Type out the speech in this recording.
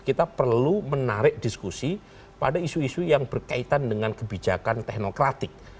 kita perlu menarik diskusi pada isu isu yang berkaitan dengan kebijakan teknokratik